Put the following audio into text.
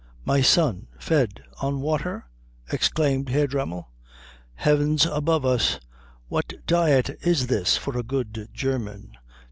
My son fed on water?" exclaimed Herr Dremmel. "Heavens above us, what diet is this for a good German?